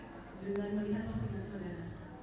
kau mencoba di posken